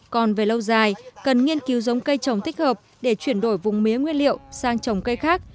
còn về lâu dài cần nghiên cứu giống cây trồng thích hợp để chuyển đổi vùng mía nguyên liệu sang trồng cây khác